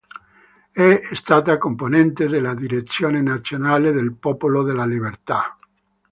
È stata componente della direzione nazionale del Popolo della Libertà.